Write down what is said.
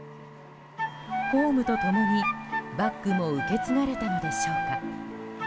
公務と共にバッグも受け継がれたのでしょうか。